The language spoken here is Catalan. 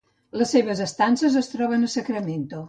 Les seves estances es troben a Sacramento.